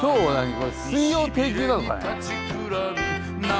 これ水曜定休なのかね。